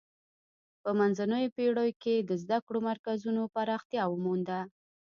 په منځنیو پیړیو کې د زده کړو مرکزونو پراختیا ومونده.